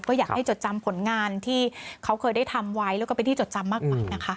ก็อยากให้จดจำผลงานที่เขาเคยได้ทำไว้แล้วก็เป็นที่จดจำมากกว่านะคะ